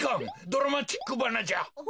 ドラマチックばなじゃ！